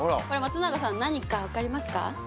これ松永さん何か分かりますか？